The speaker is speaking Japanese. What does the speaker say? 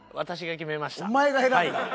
お前が選んだ？